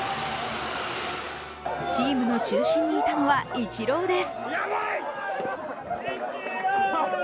チームの中心にいたのはイチローです。